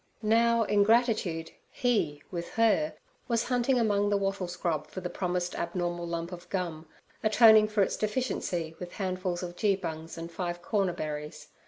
Now in gratitude he, with her, was hunting among the wattle scrub for the promised abnormal lump of gum, atoning for its deficiency with handfuls of geebungs and five corner berries.